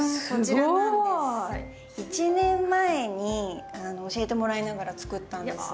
すごい。１年前に教えてもらいながら作ったんです。